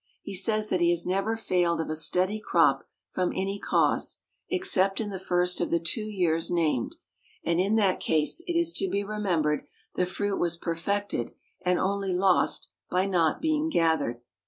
He says that he has never failed of a steady crop from any cause, except in the first of the two years named; and, in that case, it is to be remembered the fruit was perfected, and only lost by not being gathered.